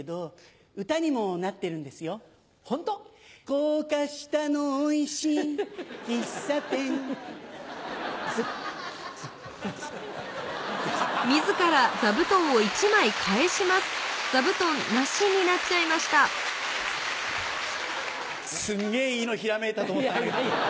高架下のおいしい喫茶店すんげぇいいのひらめいたと思ったけど。